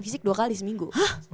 fisik dua kali seminggu